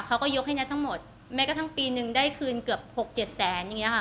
เขาก็ยกให้นัททั้งหมดแม้กระทั่งปีนึงได้คืนเกือบหกเจ็ดแสนอย่างเงี้ค่ะ